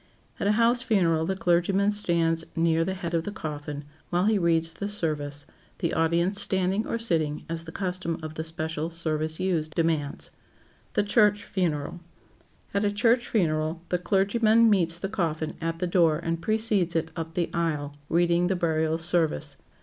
At a house funeral the clergyman stands near the head of the coffin while he reads the service, the audience standing or sitting as the custom of the special service used demands. [Sidenote: THE CHURCH FUNERAL] At a church funeral, the clergyman meets the coffin at the door and precedes it up the aisle, reading the burial service.